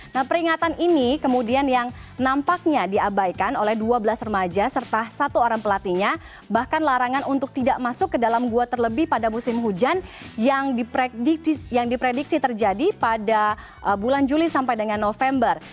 nah peringatan ini kemudian yang nampaknya diabaikan oleh dua belas remaja serta satu orang pelatihnya bahkan larangan untuk tidak masuk ke dalam gua terlebih pada musim hujan yang diprediksi terjadi pada bulan juli sampai dengan november